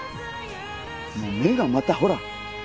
もう目がまたほら！